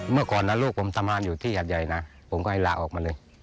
เมื่อก่อนนะลูกผมทำงานอยู่ที่หัดใหญ่นะผมก็ให้ลาออกมาเลย